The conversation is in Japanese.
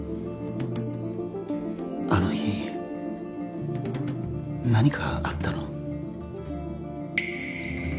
あの日何かあったの？